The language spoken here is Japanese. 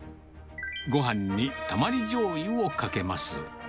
ごはんにたまりじょうゆをかけます。